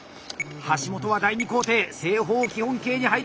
橋本は第２工程正方基本形に入りました。